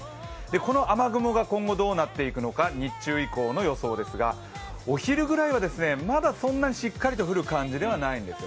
この雨雲が今後どうなっていくのか、日中以降の予想ですが、お昼ぐらいはまだそんなにしっかりと降る感じではないんです。